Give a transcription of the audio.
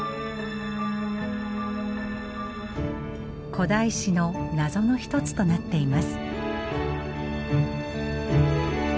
古代史の謎の一つとなっています。